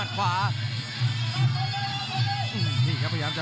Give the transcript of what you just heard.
กรรมการเตือนทั้งคู่ครับ๖๖กิโลกรัม